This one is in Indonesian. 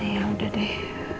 ya udah deh